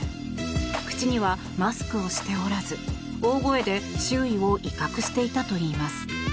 口にはマスクをしておらず大声で周囲を威嚇していたといいます。